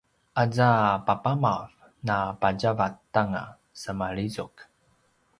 aza papamav napatjavat anga semalizuk